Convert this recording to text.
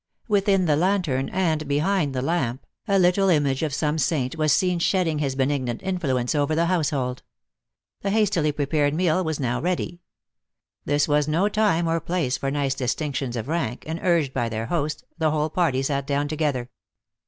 Within the lantern, and behind the lamp, a little image of some saint was seen shedding his be nignant influence over the household. The hastily prepared meal was now ready. This was no time or place for nice distinctions of rank, and, urged by their host, the whole party sat down together.